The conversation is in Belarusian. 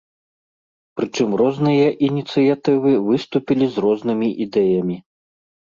Прычым розныя ініцыятывы выступілі з рознымі ідэямі.